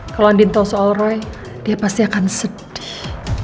kalau andin tau soal roy dia pasti akan sedih